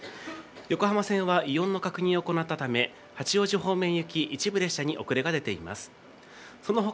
横浜線は異音の確認を行ったため、八王子方面行き一部列車に遅れが出ています。